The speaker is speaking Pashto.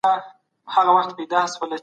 علمي تبادلې د هیوادونو ترمنځ اړیکي ښې کړې.